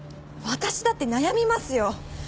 私だって悩みますよ！